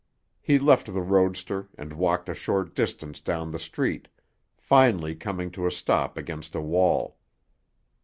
He left the roadster and walked a short distance down the street, finally coming to a stop against a wall.